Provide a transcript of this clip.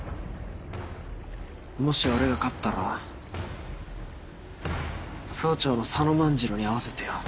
もし俺が勝ったら総長の佐野万次郎に会わせてよ。